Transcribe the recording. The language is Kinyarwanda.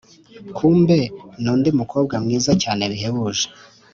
kumbe nundi mukobwa mwiza cyane bihebuje,